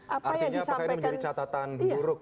artinya apakah ini menjadi catatan buruk